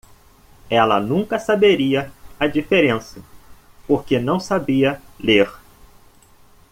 Ela nunca saberia a diferença? porque não sabia ler.